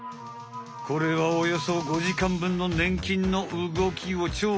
これはおよそ５時間ぶんのねん菌の動きをちょう